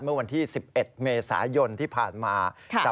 เมื่อวันที่๑๑เมษายนที่ผ่านมา